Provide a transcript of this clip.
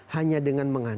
hanya dengan mengandalkan